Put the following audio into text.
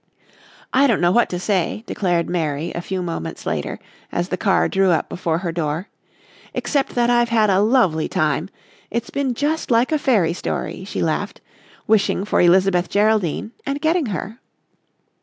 "I don't know what to say," declared Mary a few moments later as the car drew up before her door, "except that I've had a lovely time. It's been just like a fairy story," she laughed, "wishing for Elizabeth Geraldine and getting her."